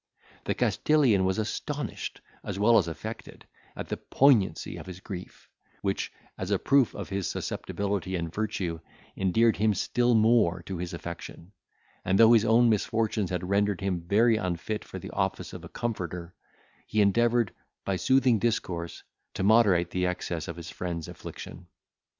The Castilian was astonished, as well as affected, at the poignancy of his grief, which, as a proof of his susceptibility and virtue, endeared him still more to his affection; and though his own misfortunes had rendered him very unfit for the office of a comforter, he endeavoured, by soothing discourse, to moderate the excess of his friend's affliction.